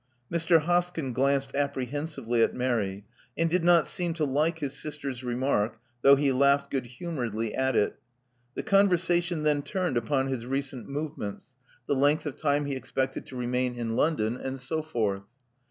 Mr. Hoskyn glanced apprehensively at Mary, and did not seem to like his sister's remark, though he laughed good humbredly at it. The conversation then turned upon his recent movements; the length of time 2 78 Love Among the Artists he expected to remain in London; and so forth.